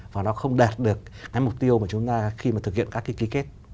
và nó không đạt được cái mục tiêu mà chúng ta khi mà thực hiện các cái ký kết